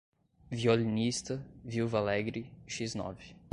violinista, viúva alegre, x nove